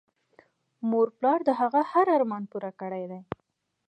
مور پلار د هغه هر ارمان پوره کړی دی